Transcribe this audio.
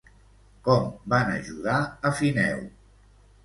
Com van ajudar a Fineu?